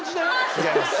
違います。